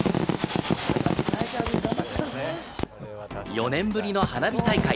４年ぶりの花火大会。